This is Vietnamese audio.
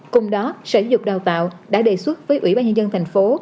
cùng đó sở dục đào tạo đã đề xuất với ủy ban nhân dân thành phố